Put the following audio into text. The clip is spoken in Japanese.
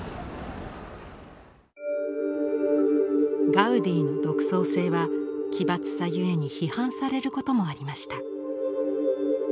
ガウディの独創性は奇抜さゆえに批判されることもありました。